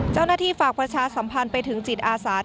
เจ้าหน้าที่ฝากประชาสัมพันธ์ไปถึงจิตอาสาท